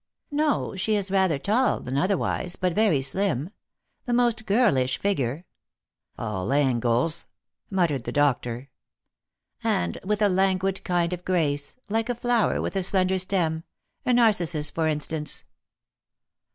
" No, she is rather tall than otherwise, but very slim. The most girlish figure "" All angles," muttered the doctor. "And with a languid kind of grace, like a flower with & slender stem — a narcissus, for instance."